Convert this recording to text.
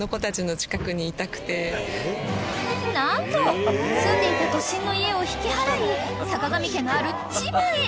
［何と住んでいた都心の家を引き払いさかがみ家のある千葉へ］